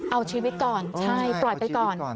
เอาชีวิตก่อนใช่ปล่อยไปก่อน